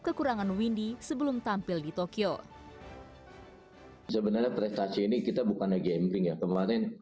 kekurangan windy sebelum tampil di tokyo sebenarnya prestasi ini kita bukannya jempingnya kemarin